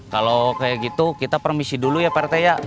kalau kayak gitu kita permisi dulu ya partai ya